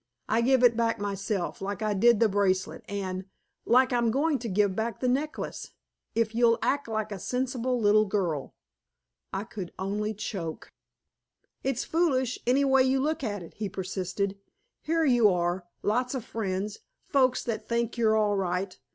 "I give it back myself, like I did the bracelet, and like I'm going to give back the necklace, if you'll act like a sensible little girl." I could only choke. "It's foolish, any way you look at it," he persisted. "Here you are, lots of friends, folks that think you're all right.